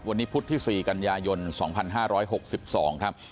วันนี้พุธที่๔กันยายน๒๕๖๒ครับ